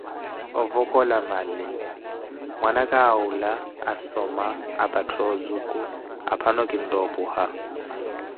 ovokola mali, mwanaka awula, asoma apattha ozuku, aphano kintta opuha.